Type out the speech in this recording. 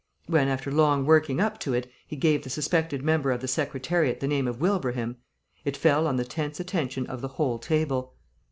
When, after long working up to it, he gave the suspected member of the Secretariat the name of Wilbraham, it fell on the tense attention of the whole table.